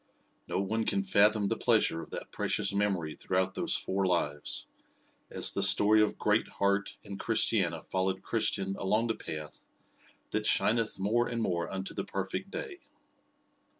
No one can fathom the pleasure of that precious memory throughout those four lives, as the story of Great Heart and Christiana followed Christian along the path that "shineth more and more unto the perfect day."